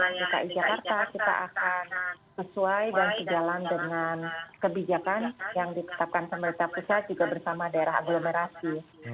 mungkin untuk aktivitas keluarga keluarga di wilayah dki jakarta kita akan sesuai dan berjalan dengan kebijakan yang ditetapkan pemerintah pusat juga bersama daerah agglomerasi